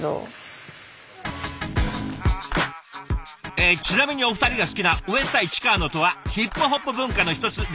えちなみにお二人が好きなウェッサイチカーノとはヒップホップ文化の一つで。